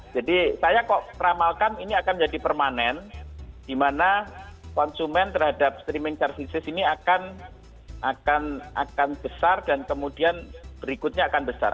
jadi saya kok teramalkan ini akan jadi permanen dimana konsumen terhadap streaming carcasses ini akan besar dan kemudian berikutnya akan besar